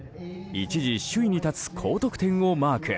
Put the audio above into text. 一時、首位に立つ高得点をマーク。